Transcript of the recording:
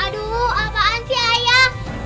aduh apaan sih ayah